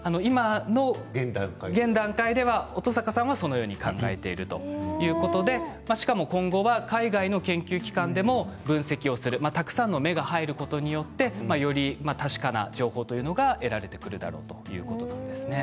現段階では乙坂さんはそのように考えているということで今後は海外の研究機関でも分析をするたくさんの目が入ることによってより確かな情報が得られてくるだろうということです。